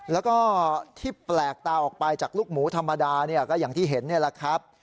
แล้วก็ที่แปลกตาออกไปจากลูกหมูธรรมดาเนี่ยก็อย่างที่เห็นนี่แหละครับ